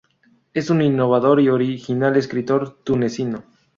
Es un innovador y original escritor tunecino.